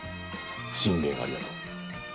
進言ありがとう。